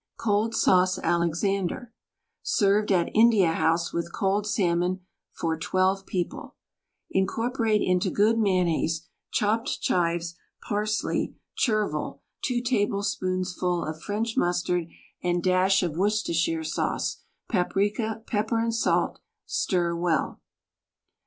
COLD SAUCE ALEXANDER {Served at India House with Cold Salmon) For 12 People Incorporate into good mayonnaise, chopped chives, par sley, chervil, two tablespoonsful of French mustard and dash of Worcestershire sauce, paprika, pepper and salt; stir well.